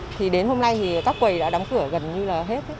thì đến hôm nay thì các quầy đã đóng cửa gần như là hết